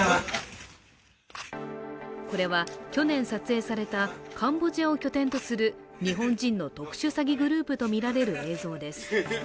これは、去年撮影されたカンボジアを拠点とする日本人の特殊詐欺グループとみられる映像です。